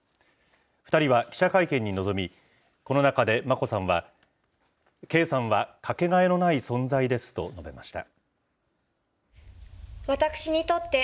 ２人は記者会見に臨み、この中で眞子さんは、圭さんは掛けがえのない存在ですと述べました。